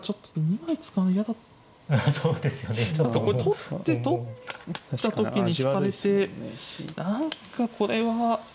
何かこれ取って取った時に引かれて何かこれは。